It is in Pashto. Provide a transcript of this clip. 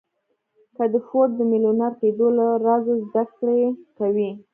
که د فورډ د ميليونر کېدو له رازه زده کړه کوئ.